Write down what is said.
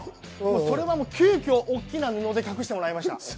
急きょ大きな布で隠してもらいました。